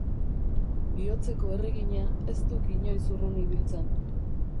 Bihotzeko erregina ez duk inoiz urrun ibiltzen.